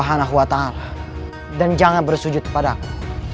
dan jangan bersujud kepada aku